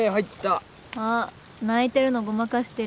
あっ泣いてるのごまかしてる。